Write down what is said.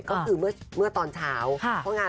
ก็คือเราแซวตัวเอง